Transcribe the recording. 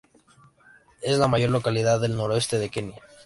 Es la mayor localidad del noroeste de Kenia.